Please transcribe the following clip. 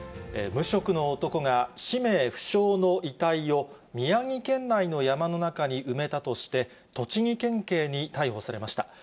無職の男が氏名不詳の遺体を宮城県内の山の中に埋めたとして、栃木県警に逮捕されました。